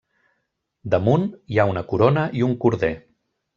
Damunt hi ha una corona i un corder.